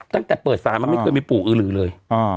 ตั้งแต่เปิดศาลมันไม่เคยมีปู่อื้อลือเลย